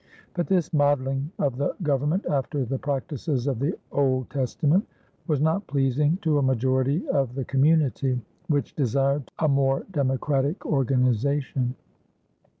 But this modeling of the government after the practices of the Old Testament was not pleasing to a majority of the community, which desired a more democratic organization.